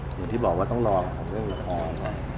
อย่างที่บอกว่าต้องรอนะครับเรื่องละคร